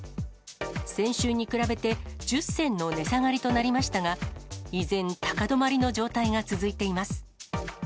先週に比べて１０銭の値下がりとなりましたが、依然、高止まりの状態が続いています。